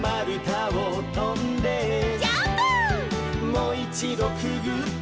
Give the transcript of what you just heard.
「もういちどくぐって」